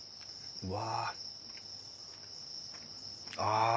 うわ。